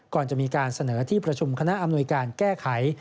ก่อนจะมีการเสนอที่ประชุมคณะอำนวยการแก้ไข